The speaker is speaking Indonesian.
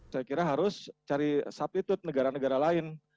saya kira harus cari subtitude negara negara lain